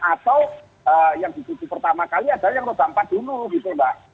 atau yang ditutup pertama kali adalah yang roda empat dulu gitu mbak